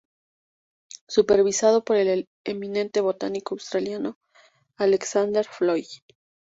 Supervisado por el eminente botánico australiano, Alexander Floyd.